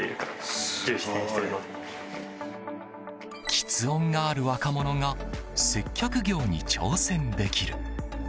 吃音がある若者が接客業に挑戦できる。